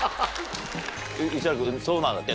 市原君そうなんだって。